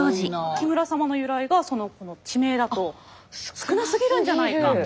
木村サマの由来がこの地名だと少なすぎるんじゃないか。